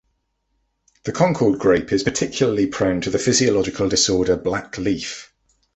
The Concord grape is particularly prone to the physiological disorder Black leaf.